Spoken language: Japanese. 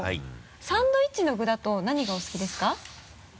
サンドイッチの具だと何がお好きですか？